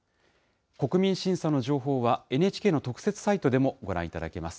国民審査の情報は、ＮＨＫの特設サイトでもご覧いただけます。